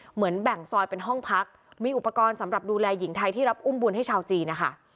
เหมือนแบ่งซอยเป็นห้องพักมีอุปกรณ์สำหรับดูแลหญิงไทยที่รับอุ้มบุญให้ชาวจีนนะคะ